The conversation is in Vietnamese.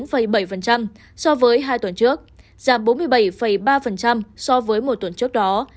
hà nội giảm bốn mươi bốn bảy so với hai tuần trước giảm bốn mươi bảy ba so với một tuần trước đó